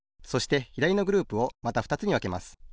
そしてひだりのグループをまたふたつにわけます。